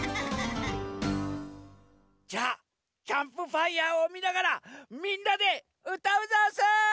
じゃあキャンプファイヤーをみながらみんなでうたうざんす！